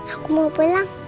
aku mau pulang